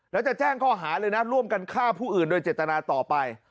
แล้วจะแจ้งข้อหาเลยนะร่วมกันฆ่าผู้อื่นโดยเจตนาต่อไป